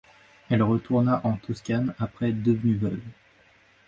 Elle retourna en Toscane après être devenue veuve.